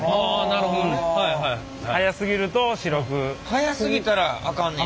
速すぎたらあかんねや。